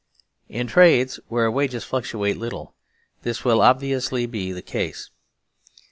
In trades where wages fluctuate little this will obviously be the case.